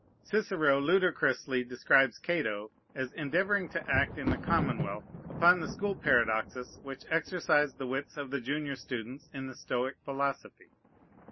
Cicero ludicrously describes Cato as endeavoring to act in the commonwealth upon the school paradoxes which exercised the wits of the junior students in the Stoic philosophy.